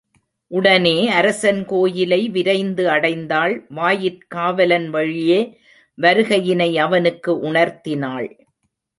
உடனே அரசன் கோயிலை விரைந்து அடைந்தாள், வாயிற்காவலன் வழியே, வருகையினை அவனுக்கு உணர்த்தினாள்.